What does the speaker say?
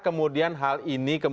kemudian hal ini